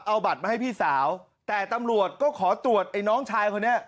เอาบัตรมาให้พี่สาวแต่ตำรวจก็ขอตรวจไอ้น้องชายคนนี้